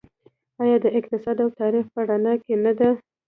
آیا د اقتصاد او تاریخ په رڼا کې نه ده؟